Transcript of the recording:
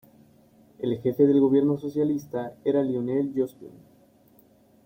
El jefe del Gobierno socialista era Lionel Jospin.